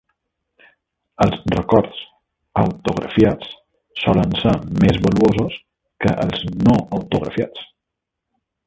Els records autografiats solen ser més valuosos que els no autografiats.